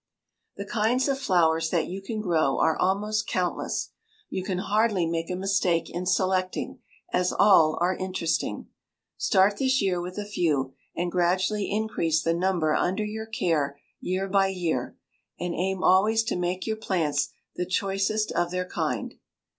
The kinds of flowers that you can grow are almost countless. You can hardly make a mistake in selecting, as all are interesting. Start this year with a few and gradually increase the number under your care year by year, and aim always to make your plants the choicest of their kind.